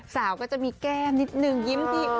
สาวก็จะมีแก้มนิดนึงยิ้มดี